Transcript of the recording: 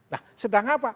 nah sedang apa